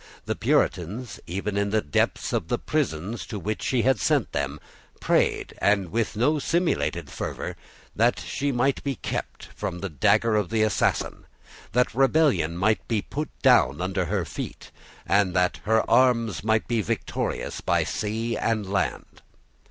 The Puritans, even in the depths of the prisons to which she had sent them, prayed, and with no simulated fervour, that she might be kept from the dagger of the assassin, that rebellion might be put down under her feet, and that her arms might be victorious by sea and land.